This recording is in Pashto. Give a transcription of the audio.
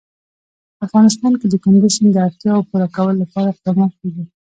په افغانستان کې د کندز سیند د اړتیاوو پوره کولو لپاره اقدامات کېږي.